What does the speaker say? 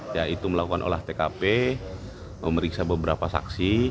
yaitu melakukan olah tkp memeriksa beberapa saksi